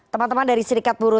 teman teman dari serikat buruh